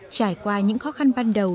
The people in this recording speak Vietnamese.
trải qua những khó khăn ban đầu